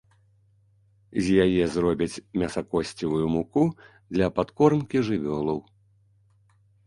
З яе зробяць мясакосцевую муку для падкормкі жывёлаў.